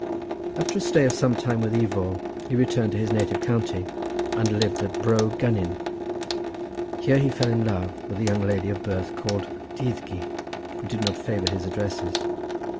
After a stay of some time with Ifor he returned to his native county and lived at Bro Gynnin. Here he fell in love with a young lady of birth called Dyddgu, who did not favour his addresses.